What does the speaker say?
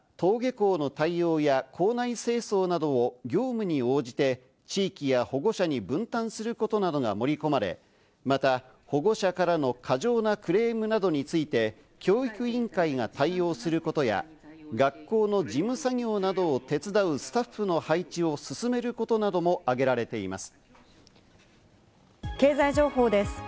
具体的には、登下校の対応や校内清掃などを業務に応じて、地域や保護者に分担することなどが盛り込まれ、また保護者からの過剰なクレームなどについて教育委員会が対応することや、学校の事務作業などを手伝うスタッフの配置を進めることなども挙げられています。